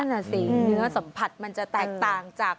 น่ะสิเนื้อสัมผัสมันจะแตกต่างจาก